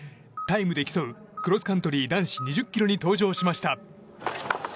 タイムで競うクロスカントリー男子２０ｋｍに登場しました。